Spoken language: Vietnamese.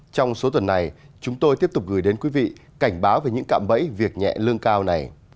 trong số tuần này chúng tôi tiếp tục gửi đến quý vị cảnh báo về những cạm bẫy việc nhẹ lương cao này